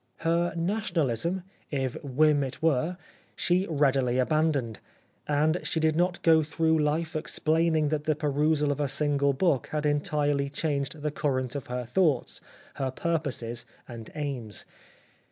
Her Nationalism, if whim it were, she readily aban doned, and she did not go through life explaining that the perusal of a single book had entirely changed the current of her thoughts, her pur poses and aims.